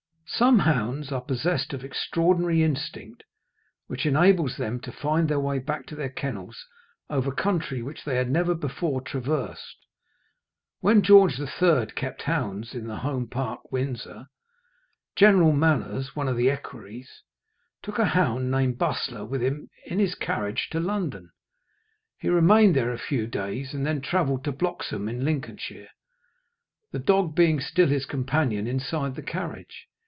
Some hounds are possessed of extraordinary instinct, which enables them to find their way back to their kennels over country which they had never before traversed. When George III. kept hounds in the Home Park, Windsor, General Manners, one of the equerries, took a hound named Bustler with him in his carriage to London. He remained there a few days, and then travelled to Bloxholm in Lincolnshire, the dog being still his companion inside the carriage.